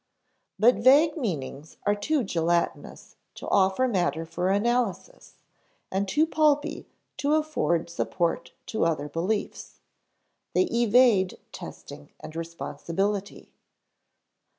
But vague meanings are too gelatinous to offer matter for analysis, and too pulpy to afford support to other beliefs. They evade testing and responsibility.